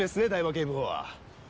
警部補は。